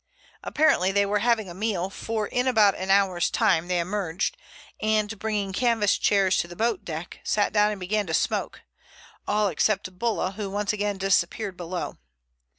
Apparently they were having a meal, for in about an hour's time they emerged, and bringing canvas chairs to the boat deck, sat down and began to smoke—all except Bulla, who once again disappeared below.